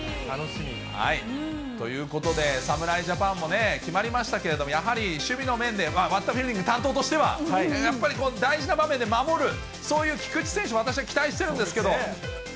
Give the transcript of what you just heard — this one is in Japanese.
ということで、侍ジャパンも決まりましたけれども、やはり守備の面でワット・ア・フィールディング担当としてはやっぱり大事な場面で守る、そういう菊池選手を私、期待してるんです